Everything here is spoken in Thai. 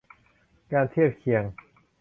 การเทียบเคียง